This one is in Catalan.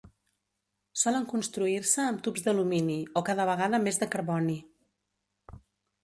Solen construir-se amb tubs d'alumini, o cada vegada més de carboni.